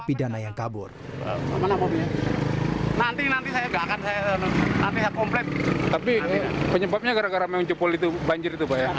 tidak ada narapidana yang kabur